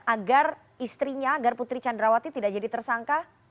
agar istrinya agar putri candrawati tidak jadi tersangka